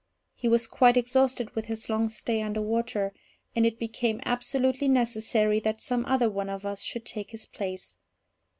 He was quite exhausted with his long stay under water, and it became absolutely necessary that some other one of us should take his place.